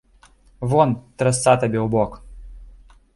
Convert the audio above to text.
Вон, трасца табе ў бок!